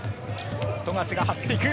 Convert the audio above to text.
富樫が走っていく。